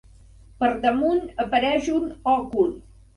Per damunt apareix un òcul.